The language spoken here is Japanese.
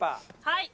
はい。